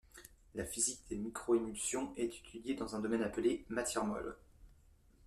La physique des microémulsions est étudiée dans un domaine appelé 'matière molle'.